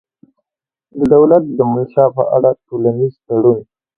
د دولت د منشا په اړه ټولنیز تړون